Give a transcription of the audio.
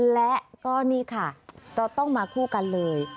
และก็นี่ค่ะจะต้องมาคู่กันเลย